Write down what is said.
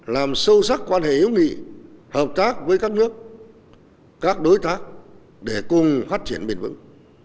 làm sâu sắc quan hệ hữu nghị hợp tác với các nước các đối tác để cùng phát triển bền vững